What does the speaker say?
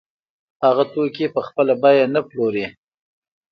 هغه توکي په خپله بیه نه پلوري